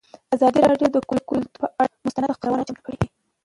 ازادي راډیو د کلتور پر اړه مستند خپرونه چمتو کړې.